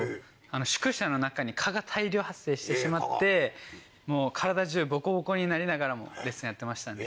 宿舎の中に蚊が大量発生してしまって体中ボコボコになりながらもレッスンやってましたね。